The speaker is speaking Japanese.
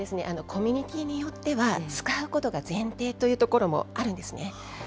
ただ、コミュニティによっては、使うことが前提というところもあるんですね。